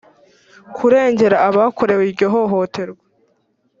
kurengera abakorewe iryo hohoterwa